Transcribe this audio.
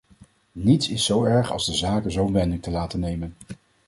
Niets is zo erg als de zaken zo’n wending te laten nemen!